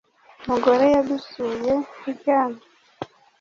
Umugore yadusuye uryamye